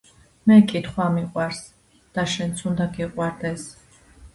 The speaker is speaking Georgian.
მე კითხვა მიყვარს და შენც უნდა გიყვარდეს